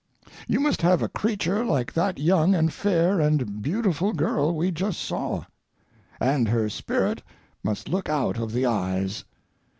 You must have a creature like that young and fair and beautiful girl we just saw. And her spirit must look out of the eyes.